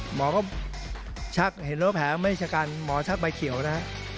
หมอก็ชักเห็นว่าแผลไม่ใช่กันหมอชักใบเขียวนะครับ